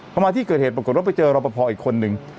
เขามาที่เกิดเหตุปรากฏแล้วไปเจอรอบพพอร์อีกคนนึง